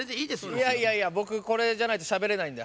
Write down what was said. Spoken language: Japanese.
いやいやいやぼくこれじゃないとしゃべれないんで。